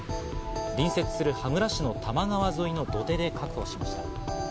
隣接する羽村市の多摩川沿いの土手で確保しました。